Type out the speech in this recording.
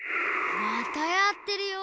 またやってるよ。